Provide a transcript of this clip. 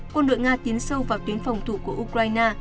quân đội nga tiến sâu vào tuyến phòng thủ của ukraine